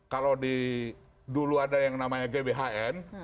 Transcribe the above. kalau dulu ada yang namanya gbhn